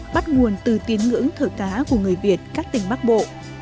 bắt nguồn từ tiếng ngưỡng thờ cá của người việt các tỉnh bắc bộ